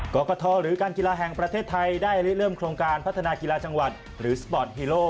กรกฐหรือการกีฬาแห่งประเทศไทยได้เริ่มโครงการพัฒนากีฬาจังหวัดหรือสปอร์ตฮีโร่